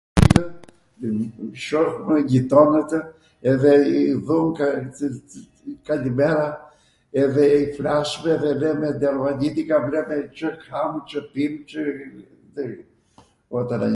Shohmw gjitonwtw edhe i thom ... kalimera edhe i flasmw edhe them edhe arvanitika Cw ham, Cw pim...